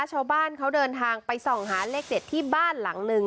ชาวบ้านเขาเดินทางไปส่องหาเลขเด็ดที่บ้านหลังหนึ่ง